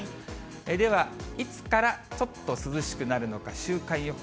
では、いつからちょっと涼しくなるのか、週間予報。